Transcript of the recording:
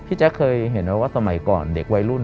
แจ๊คเคยเห็นไหมว่าสมัยก่อนเด็กวัยรุ่น